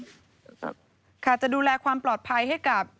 ค่ะจะดูแลความปลอดภัยให้กับ